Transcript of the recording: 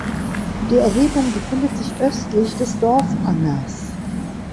Die Erhebung befindet sich östlich des Dorfangers.